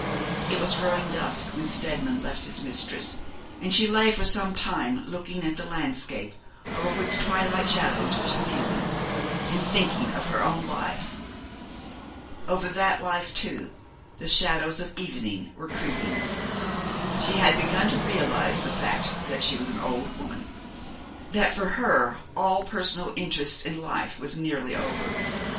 It was growing dusk when Steadman left his mistress, and she lay for some time looking at the landscape over which twilight shadows were stealing, and thinking of her own life. Over that life, too, the shadows of evening were creeping. She had begun to realise the fact that she was an old woman; that for her all personal interest in life was nearly over.